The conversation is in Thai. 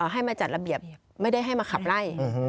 ให้มาจัดระเบียบไม่ได้ให้มาขับไล่